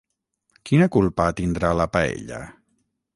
Quina culpa tindrà la paella?